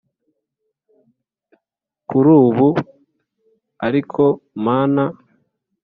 kurubu ariko mana,